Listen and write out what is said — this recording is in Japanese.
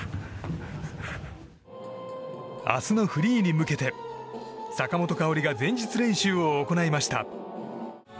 明日のフリーに向けて坂本花織が前日練習を行いました。